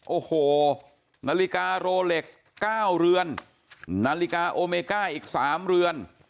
โอ้โหนาฬิกาโรเล็กซ์๙เรือนนาฬิกาโอเมก้าอีก๓เรือน